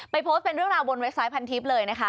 โพสต์เป็นเรื่องราวบนเว็บไซต์พันทิพย์เลยนะคะ